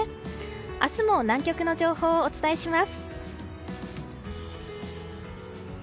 明日も南極の情報をお伝えします。